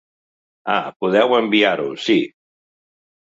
Ah podeu enviar-ho, sí.